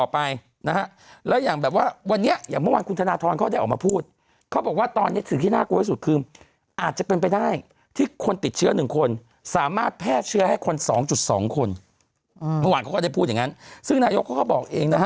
นะฮะแล้วอย่างแบบว่าวันเนี้ยอย่างเมื่อวานคุณธนาทรเขาได้ออกมาพูดเขาบอกว่าตอนเนี้ยถึงที่น่ากลัวที่สุดคืออาจจะเป็นไปได้ที่คนติดเชื้อหนึ่งคนสามารถแพทย์เชื้อให้คนสองจุดสองคนอืมเมื่อวานเขาก็ได้พูดอย่างงั้นซึ่งนายก็เขาบอกเองนะฮะ